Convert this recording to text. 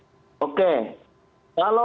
kalau pak jokowi memang sudah berhasil